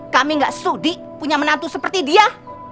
kami gak sudi punya menantu seperti dia